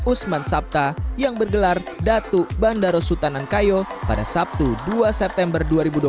usman sabta yang bergelar datu bandara sutanan kayo pada sabtu dua september dua ribu dua puluh